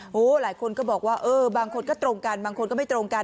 หลายคนก็บอกว่าเออบางคนก็ตรงกันบางคนก็ไม่ตรงกัน